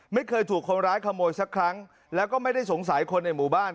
ไม่เคยถูกคนร้ายขโมยสักครั้งแล้วก็ไม่ได้สงสัยคนในหมู่บ้าน